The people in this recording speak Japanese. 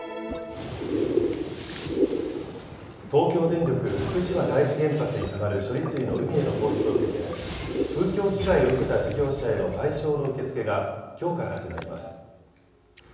東京電力福島第一原発にたまる処理水の海への放出を受けて風評被害を受けた事業者への賠償の受け付けがきょうから始まります。